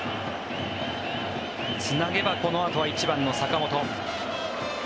つなげばこのあとは１番の坂本。